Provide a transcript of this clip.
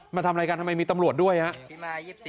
มาทำอะไรกันทำไมมีตำรวจด้วยครับ